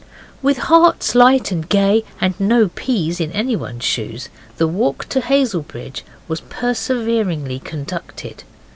With hearts light and gay, and no peas in anyone's shoes, the walk to Hazelbridge was perseveringly conducted.